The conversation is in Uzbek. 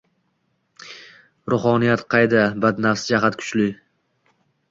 Ruhoniyat qayda, badnafs jasad kuchli.